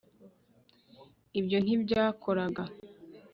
ibyo ntibyakoraga